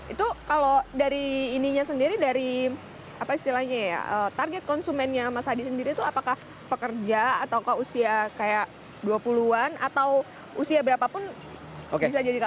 itu kalau dari ininya sendiri dari apa istilahnya ya target konsumennya mas hadi sendiri itu apakah pekerja atau usia kayak dua puluh an atau usia berapapun bisa jadikan